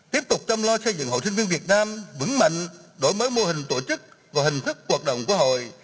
tiếp tục chăm lo xây dựng hội sinh viên việt nam vững mạnh đổi mới mô hình tổ chức và hình thức hoạt động của hội